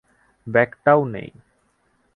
ব্যাগটাও নেই।